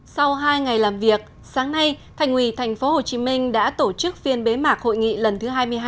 sau hai ngày làm việc sáng nay thành ủy tp hcm đã tổ chức phiên bế mạc hội nghị lần thứ hai mươi hai